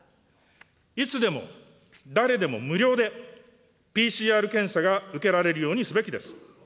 いつでも、誰でも、無料でＰＣＲ検査が受けられるようにすべきです。